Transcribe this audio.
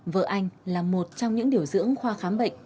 vợ anh là một trong những điều dưỡng khoa khám bệnh